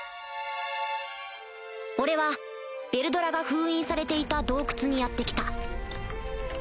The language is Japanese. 俺はヴェルドラが封印されていた洞窟にやって来た